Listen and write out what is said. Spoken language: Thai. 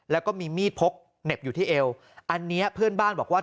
แล้วก็มีมีดพกเหน็บอยู่ที่เอวอันนี้เพื่อนบ้านบอกว่า